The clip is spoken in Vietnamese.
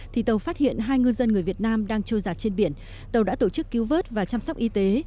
thì tàu phát hiện hai ngư dân người việt nam đang trôi giặt trên biển tàu đã tổ chức cứu vớt và chăm sóc y tế